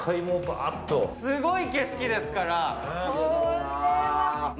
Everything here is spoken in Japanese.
すごい景色ですから。